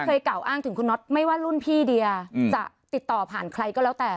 กล่าวอ้างถึงคุณน็อตไม่ว่ารุ่นพี่เดียจะติดต่อผ่านใครก็แล้วแต่